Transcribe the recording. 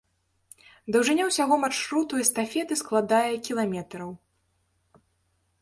Даўжыня ўсяго маршруту эстафеты складае кіламетраў.